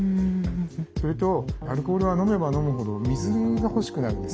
それとアルコールは飲めば飲むほど水が欲しくなるんですね。